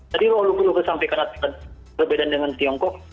tadi lo perlu kesampaikan perbedaan dengan tiongkok